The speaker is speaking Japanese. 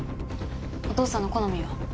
お父さんの好みは？